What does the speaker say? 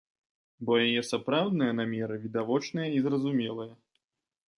Бо яе сапраўдныя намеры відавочныя і зразумелыя.